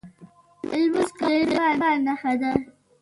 لمونځ کول د ایمان نښه ده .